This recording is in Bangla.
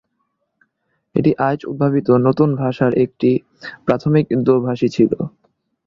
এটি আইচ উদ্ভাবিত নতুন ভাষার একটি প্রাথমিক দোভাষী ছিল।